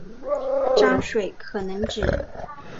章水可能指